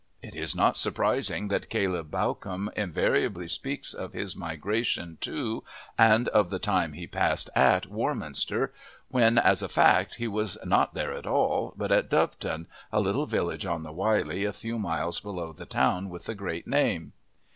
It is not surprising that Caleb Bawcombe invariably speaks of his migration to, and of the time he passed at Warminster, when, as a fact, he was not there at all, but at Doveton, a little village on the Wylye a few miles below the town with the great name.